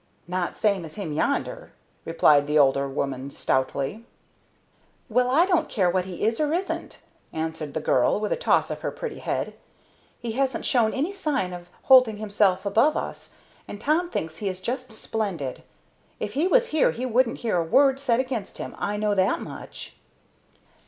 "Not same as him yonder," replied the older woman, stoutly. "Well, I don't care what he is or isn't," answered the girl, with a toss of her pretty head, "he hasn't shown any sign yet of holding himself above us, and Tom thinks he is just splendid. If he was here he wouldn't hear a word said against him, I know that much."